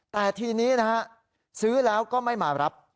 แต่ทีนี้นะฮะซื้อแล้วก็ไม่มารับ